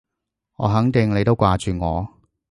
我肯定你都掛住我